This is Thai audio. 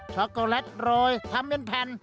็อกโกแลตโรยทำเป็นแผ่น